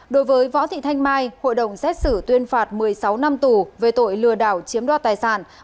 đối với võ thị thanh mai hội đồng xét xử tuyên phạt một mươi sáu năm tù về tội lừa đảo chiếm đoạt tài sản